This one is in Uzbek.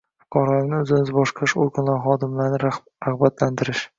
fuqarolarning o‘zini-o‘zi boshqarish organlari xodimlarini rag‘batlantirish